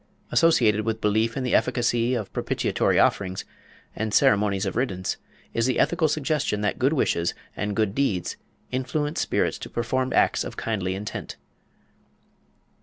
Associated with belief in the efficacy of propitiatory offerings and "ceremonies of riddance," is the ethical suggestion that good wishes and good deeds influence spirits to perform acts of kindly intent.